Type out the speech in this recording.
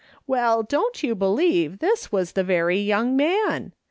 "Well, don't you believe this was the very young man